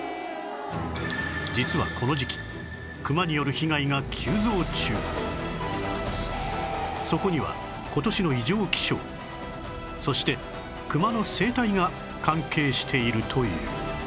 実はそこには今年の異常気象そしてクマの生態が関係しているという